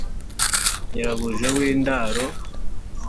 nyirabuja w'indaro,